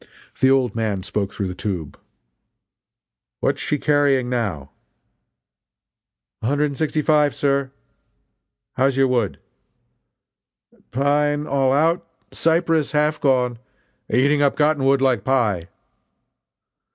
The "old man" spoke through the tube: "What is she carrying now?" "A hundred and sixty five, sir!" "How's your wood?" "Pine all out cypress half gone eating up cotton wood like pie!"